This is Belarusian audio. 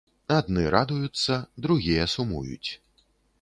Адны радуюцца, другія сумуюць.